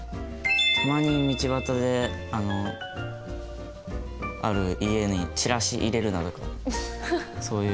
たまに道端である家に「チラシ入れるな」とかそういう。